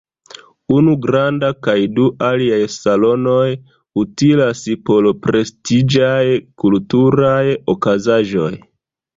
Unu granda kaj du aliaj salonoj utilas por prestiĝaj kulturaj okazaĵoj.